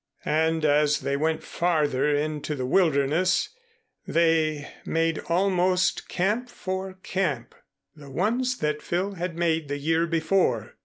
And as they went farther into the wilderness, they made almost camp for camp the ones that Phil had made the year before.